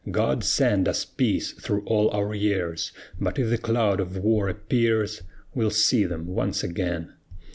God send us peace through all our years, But if the cloud of war appears, We'll see them once again.